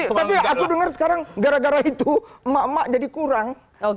tapi aku dengar sekarang gara gara itu emak emak jadi kurang